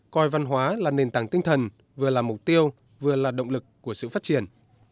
coi văn hóa là nền tảng tinh thần vừa là mục tiêu vừa là động lực của sự phát triển